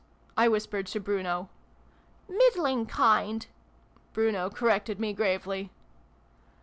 " I whispered to Bruno. "Middling kind," Bruno corrected me gravely.)